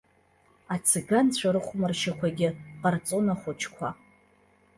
Ациганцәа рыхәмаршьақәагьы ҟарҵон ахәыҷқәа.